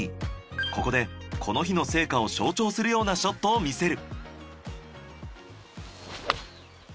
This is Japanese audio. ここでこの日の成果を象徴するようなショットを見せる。